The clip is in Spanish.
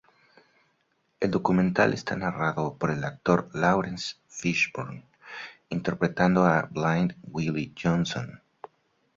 El documental esta narrado por el actor Laurence Fishburne interpretando a Blind Willie Johnson.